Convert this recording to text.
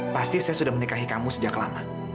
pasti saya sudah menikahi kamu sejak lama